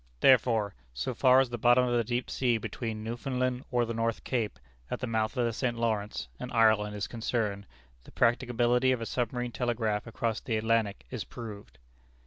Therefore, so far as the bottom of the deep sea between Newfoundland, or the North Cape, at the mouth of the St. Lawrence, and Ireland, is concerned, the practicability of a submarine telegraph across the Atlantic is proved....